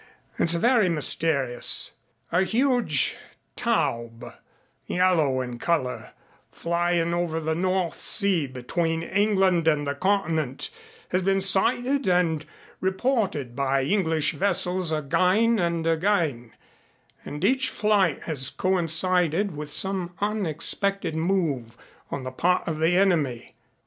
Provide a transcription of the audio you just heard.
It's very mysterious. A huge Taube, yellow in color, flying over the North Sea between England and the continent has been sighted and reported by English vessels again and again and each flight has coincided with some unexpected move on the part of the enemy.